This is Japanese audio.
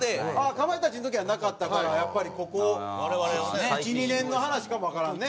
かまいたちの時はなかったからやっぱりここ１２年の話かもわからんね